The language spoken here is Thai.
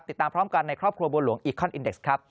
ติดตามพร้อมกันในครอบครัวบัวหลวงอีคอนอินเด็กซ์ครับ